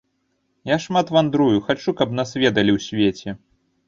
Я шмат вандрую, хачу, каб нас ведалі ў свеце.